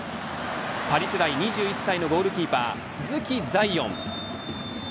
パリ世代２１歳のゴールキーパー鈴木彩艶。